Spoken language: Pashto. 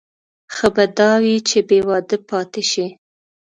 ښه به دا وي چې بې واده پاتې شي.